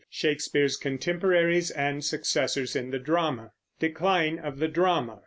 V. SHAKESPEARE'S CONTEMPORARIES AND SUCCESSORS IN THE DRAMA DECLINE OF THE DRAMA.